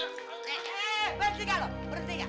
eh berhenti gak lo berhenti gak